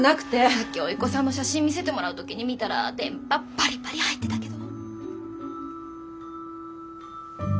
さっき甥っ子さんの写真見せてもらう時に見たら電波パリパリ入ってたけど。